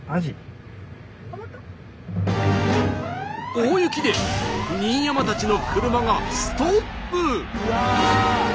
大雪で新山たちの車がストップ！